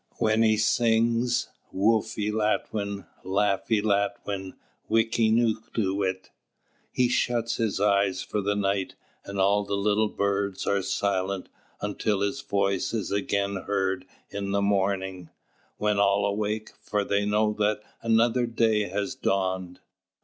When he sings: "Woffy Latwin, Laffy Latwin, wickīūtūwit," he shuts his eyes for the night; and all the little birds are silent until his voice is again heard in the morning, when all awake, for they know that another day has dawned.